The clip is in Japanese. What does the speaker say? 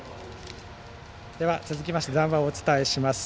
続きまして、談話をお伝えします。